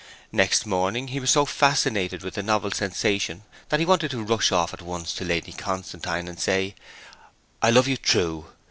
Next morning he was so fascinated with the novel sensation that he wanted to rush off at once to Lady Constantine, and say, 'I love you true!'